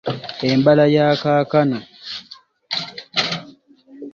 Embala ya kaakano